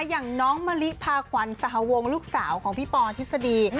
อย่างน้องมะลิภาควันสาธวงศ์ลูกสาวของพี่ปอร์ทิศดี